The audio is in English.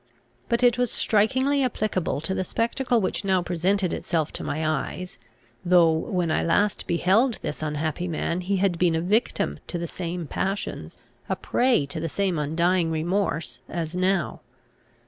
But it was strikingly applicable to the spectacle which now presented itself to my eyes, though, when I last beheld this unhappy man, he had been a victim to the same passions, a prey to the same undying remorse, as now.